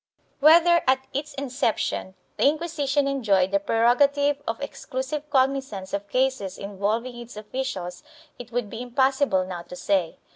Whether, at its inception, the Inquisition enjoyed the pre rogative of exclusive cognizance of cases involving its officials it would be impossible now to say.